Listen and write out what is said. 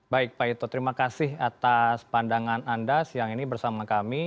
baik pak ito terima kasih atas pandangan anda siang ini bersama kami